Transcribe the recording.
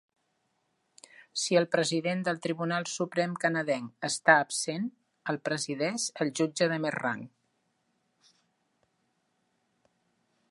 Si el president del Tribunal Suprem canadenc està absent, el presideix el jutge de més rang.